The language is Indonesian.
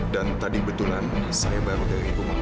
dan tadi betulan saya baru dari bukit jawa